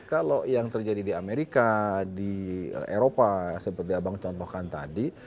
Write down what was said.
kalau yang terjadi di amerika di eropa seperti abang contohkan tadi